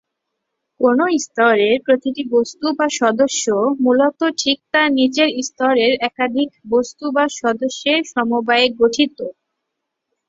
কোনও স্তরের প্রতিটি "বস্তু" বা "সদস্য" মূলত ঠিক তার নিচের স্তরের একাধিক বস্তু বা সদস্যের সমবায়ে গঠিত।